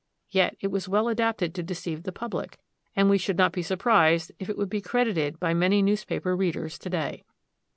Yet it was well adapted to deceive the public; and we should not be surprised if it would be credited by many newspaper readers to day.